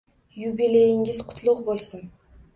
Yubileyingiz qutlug' bo'lsin!